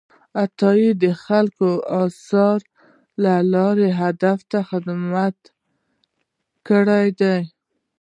عطايي د خپلو آثارو له لارې ادب ته خدمت کړی دی.